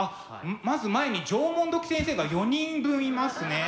まず前に縄文土器先生が４人分いますね。